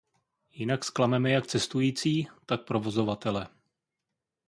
Jinak zklameme jak cestující, tak provozovatele.